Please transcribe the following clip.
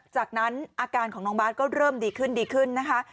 จากนั้นอาการของน้องบาทก็เริ่มดีขึ้นดีขึ้นนะคะ